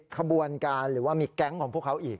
ขบวนการหรือว่ามีแก๊งของพวกเขาอีก